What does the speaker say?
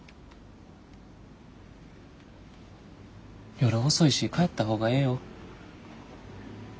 夜遅いし帰った方がええよ。